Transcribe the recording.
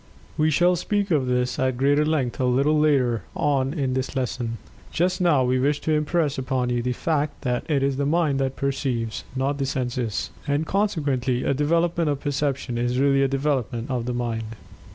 We shall speak of this at greater length a little later on in this lesson. Just now we wish to impress upon you the fact that it is the Mind that perceives, not the senses. And, consequently, a development of Perception is really a development of the Mind.